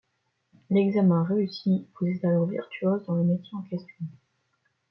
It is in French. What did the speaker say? L'examen réussis, vous êtes alors virtuose dans le métier en question.